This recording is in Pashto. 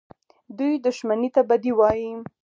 دوى دښمني ته بدي وايي.